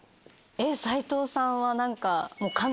えっ斎藤さんは何か。